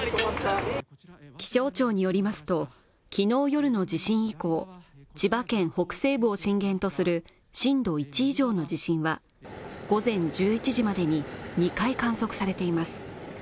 気象庁によりますと昨日夜の地震以降千葉県北西部を震源とする震度１以上の地震は午前１１時までに２回観測されています